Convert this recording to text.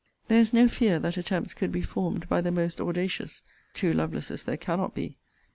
There is no fear that attempts could be formed by the most audacious [two Lovelaces there cannot be!